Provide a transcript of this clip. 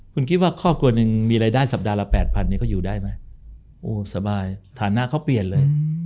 คุณคิดว่าครอบครัวหนึ่งมีรายได้สัปดาห์ละแปดพันนี้เขาอยู่ได้ไหมโอ้สบายฐานะเขาเปลี่ยนเลย